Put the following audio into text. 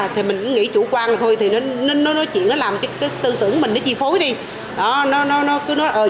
thì mình nghĩ chủ quan thôi thì nó nói chuyện nó làm cái tư tưởng mình nó chi phối đi